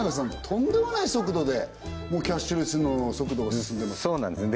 とんでもない速度でもうキャッシュレスの速度が進んでますねそうなんです